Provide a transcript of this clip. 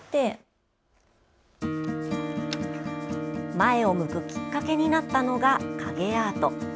前を向くきっかけになったのが影アート。